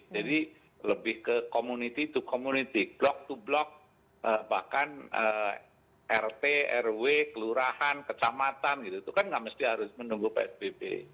jadi lebih ke community to community block to block bahkan rt rw kelurahan kecamatan gitu itu kan tidak mesti harus menunggu psbb